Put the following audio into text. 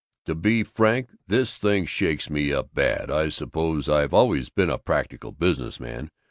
To be frank, this thing shakes me up bad. I suppose I've always been a Practical Business Man.